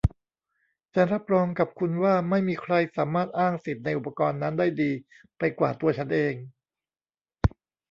ฉันรับรองกับคุณว่าไม่มีใครสามารถอ้างสิทธิ์ในอุปกรณ์นั้นได้ดีไปกว่าตัวฉันเอง